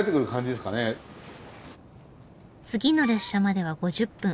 次の列車までは５０分。